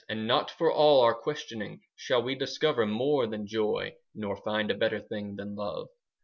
And not for all our questioning 10 Shall we discover more than joy, Nor find a better thing than love!